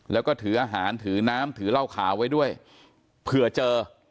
แล้วก็ถืออาหารถือน้ำถือเหล้าขาวไว้ด้วยเผื่อเจอ